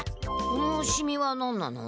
このシミは何なの？